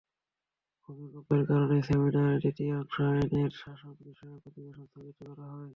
ভূমিকম্পের কারণে সেমিনারের দ্বিতীয় অংশ আইনের শাসনবিষয়ক অধিবেশন স্থগিত করা হয়।